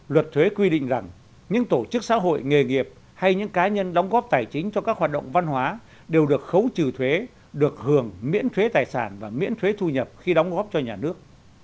luật thuế quy định rằng những tổ chức xã hội nghề nghiệp hay những cá nhân đóng góp tài chính cho các hoạt động văn hóa đều được khấu trừ thuế được hưởng miễn thuế tài sản và miễn thuế thu nhập khi đóng góp cho nhà nước